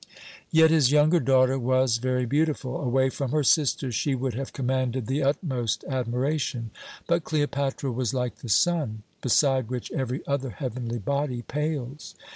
"Yet his younger daughter was very beautiful. Away from her sister, she would have commanded the utmost admiration; but Cleopatra was like the sun, beside which every other heavenly body pales.